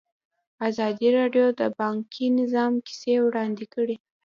ازادي راډیو د بانکي نظام کیسې وړاندې کړي.